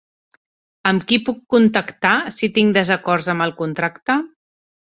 Amb qui puc contactar si tinc desacords amb el contracte?